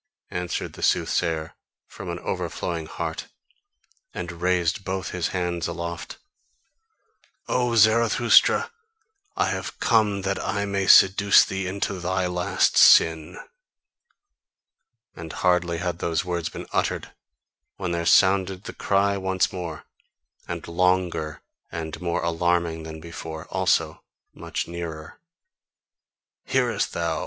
answered the soothsayer from an overflowing heart, and raised both his hands aloft "O Zarathustra, I have come that I may seduce thee to thy last sin!" And hardly had those words been uttered when there sounded the cry once more, and longer and more alarming than before also much nearer. "Hearest thou?